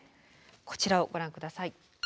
こちらをご覧下さい。